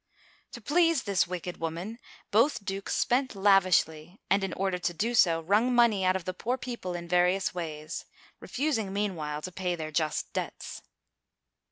To please this wicked woman, both dukes spent lavishly, and, in order to do so, wrung money out of the poor people in various ways, refusing meanwhile to pay their just debts.